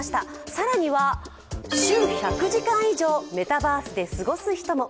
更には、週１００時間以上メタバースで過ごす人も。